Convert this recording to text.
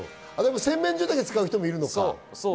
洗面所だけを使う人もいるのか。